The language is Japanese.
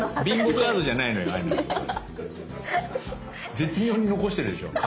絶妙に残してるでしょ角。